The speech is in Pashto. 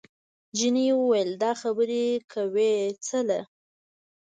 جینۍ وویل دا خبرې کوې څله؟